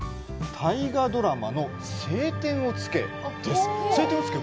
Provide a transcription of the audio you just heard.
大河ドラマの「青天を衝け」です。